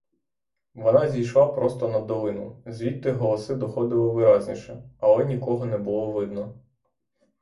Вона зійшла просто на долину, звідти голоси доходили виразніше, але нікого не було видно.